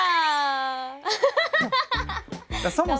アハハハハ！